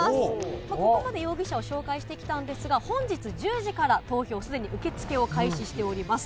ここまで容疑者を紹介してきたんですが、本日１０時から投票、すでに受け付けを開始しております。